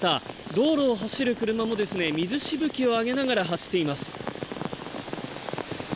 道路を走る車も、水しぶきを上げながら走っています。